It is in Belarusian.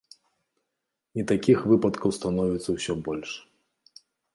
І такіх выпадкаў становіцца ўсё больш.